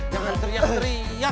jangan teriak teriak